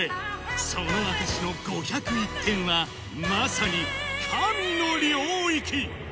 その証しの５０１点は、まさに神の領域。